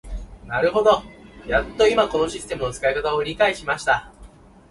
なるほど、やっと今このシステムの使い方を理解しました。